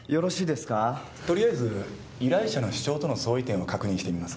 とりあえず依頼者の主張との相違点を確認してみます。